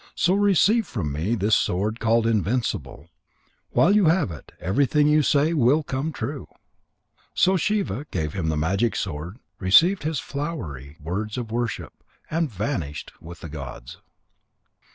So receive from me this sword called Invincible. While you have it, everything you say will come true." So Shiva gave him the magic sword, received his flowery words of worship, and vanished with the gods.